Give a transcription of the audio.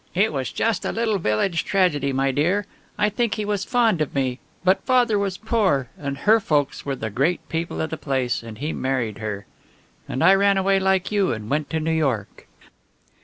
It was just a little village tragedy, my dear. I think he was fond of me, but father was poor and her folks were the great people of the place, and he married her. And I ran away, like you, and went to New York."